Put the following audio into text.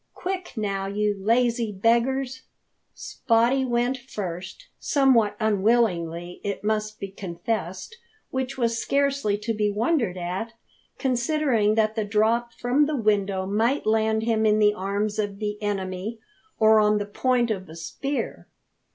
Quick now, you lazy beggars!" Spottie went first somewhat unwillingly, it must be confessed, which was scarcely to be wondered at, considering that the drop from the window might land him in the arms of the enemy, or on the point of a spear.